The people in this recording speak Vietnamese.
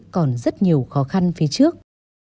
còn rất nhiều khó khăn phía trước